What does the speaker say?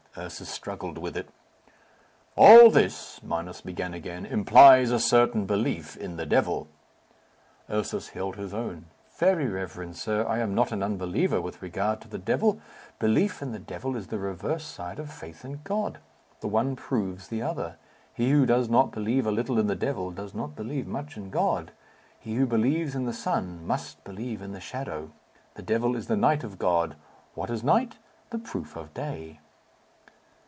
Ursus struggled with it. "All this," Minos began again, "implies a certain belief in the devil." Ursus held his own. "Very reverend sir, I am not an unbeliever with regard to the devil. Belief in the devil is the reverse side of faith in God. The one proves the other. He who does not believe a little in the devil, does not believe much in God. He who believes in the sun must believe in the shadow. The devil is the night of God. What is night? The proof of day."